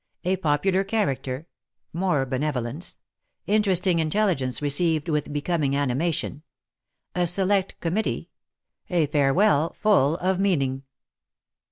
A POPULAR CHARACTER MORE BENEVOLENCE INTERESTING IN TELLIGENCE RECEIVED WITH BECOMING ANIMATION A SELECT COMMITTEE A FAREWELL FULL OF MEANING.